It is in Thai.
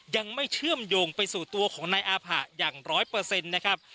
ยังไม่เชื่อมโยงไปสู่ตัวของนายอาผะอย่างร้อยเปอร์เซ็นต์นะครับ